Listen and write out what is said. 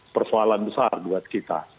persoalan besar buat kita